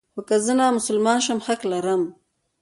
خو که زه نامسلمان شم حق لرم.